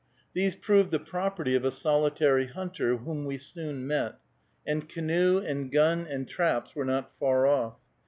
These proved the property of a solitary hunter, whom we soon met, and canoe and gun and traps were not far off.